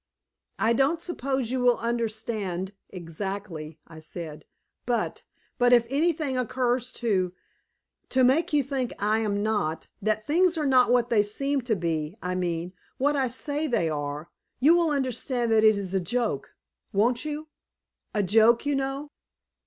"I don't suppose you will understand exactly," I said, "but but if anything occurs to to make you think I am not that things are not what they seem to be I mean, what I say they are you will understand that it is a joke, won't you? A joke, you know."